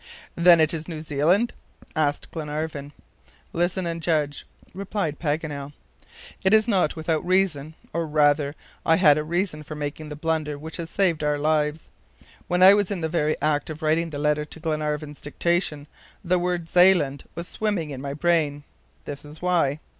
"Then it is New Zealand?" asked Glenarvan. "Listen and judge," replied Paganel. "It is not without reason, or, rather, I had a reason for making the blunder which has saved our lives. When I was in the very act of writing the letter to Glenarvan's dictation, the word ZEALAND was swimming in my brain. This is why.